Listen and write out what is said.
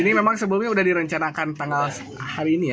ini memang sebelumnya sudah direncanakan tanggal hari ini ya